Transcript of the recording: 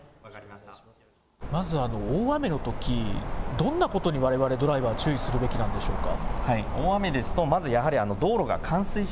まず、大雨のとき、どんなことにわれわれドライバーは注意するべきなんでしょうか。